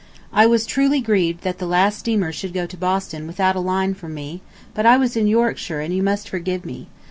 I was truly grieved that the last steamer should go to Boston without a line from me, but I was in Yorkshire and you must forgive me.